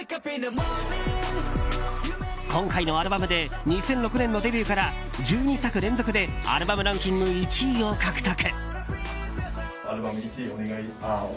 今回のアルバムで２００６年のデビューから１２作連続でアルバムランキング１位を獲得。